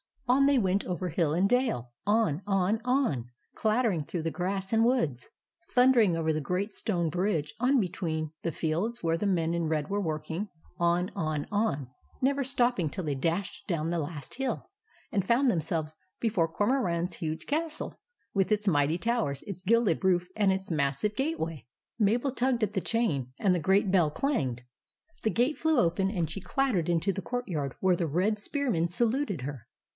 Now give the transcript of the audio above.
On they went over hill and dale, on, on, on, clattering through the grass and woods, thundering over the great stone bridge, on between the fields where the men in red were working, on, on, on, never stopping till they dashed down the last hill and found themselves before Cormoran's huge castle with its mighty towers, its gilded roof, and its massive gateway. THE RESCUE OF JACK 213 Mabel tugged at the chain, and the great bell clanged. The gate flew open, and she clattered into the courtyard where the red spearmen saluted her.